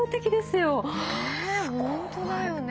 ねえ本当だよね。